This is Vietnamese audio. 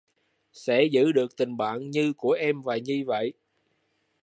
Sẽ giữ được tình bạn như của em và Nhi vậy